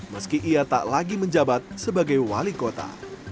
meski ia tak lagi menjabat sebagai wali kota